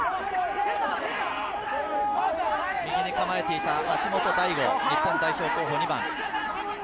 右に構えていた橋本大吾、日本代表候補。